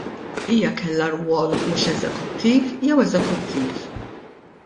Hija kellha rwol mhux eżekuttiv jew eżekuttiv?